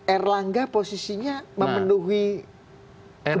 erlangga posisinya memenuhi kebutuhan itu tidak